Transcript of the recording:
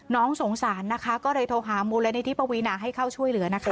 น้องสงสารนะคะก็เลยโทรหามูลนิธิปวีนาให้เข้าช่วยเหลือนะคะ